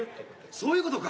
そういうことか。